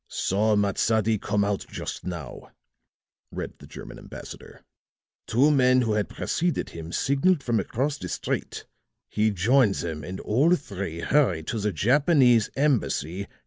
"Saw Matsadi come out just now," read the German ambassador. "Two men who had preceded him signaled from across the street. He joined them and all three hurried to the Japanese Embassy.